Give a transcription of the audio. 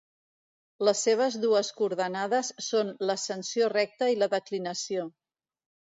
Les seves dues coordenades són l'ascensió recta i la declinació.